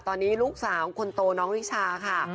ตอนนี้ลูกสาวคนโตน้องนิชาค่ะ